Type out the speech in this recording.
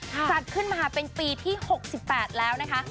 จัดขึ้นมาเป็นปีที่๖๘แล้วนะคะ